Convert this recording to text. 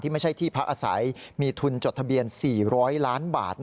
ไม่ใช่ที่พักอาศัยมีทุนจดทะเบียน๔๐๐ล้านบาท